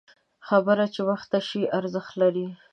خبره چې وخته وشي، ارزښت لري